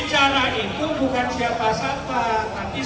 saya ini bukan ini